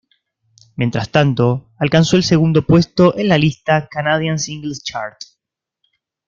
Mientras tanto, alcanzó el segundo puesto en la lista Canadian Singles Chart.